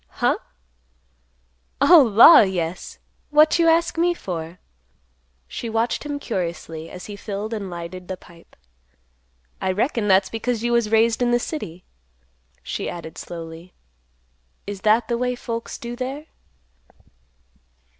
"Heh? O law! yes. What you ask me for?" She watched him curiously, as he filled and lighted the pipe. "I reckon that's because you was raised in the city," he added slowly; "is that the way folks do there?"